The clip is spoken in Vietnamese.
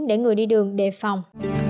để người đi đường đề phòng